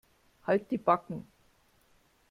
Halt die Backen.